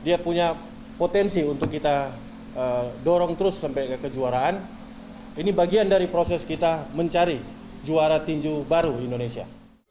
dia punya potensi untuk kita dorong terus sampai ke kejuaraan ini bagian dari proses kita mencari juara tinju baru indonesia